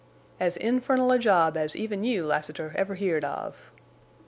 "As infernal a job as even you, Lassiter, ever heerd of."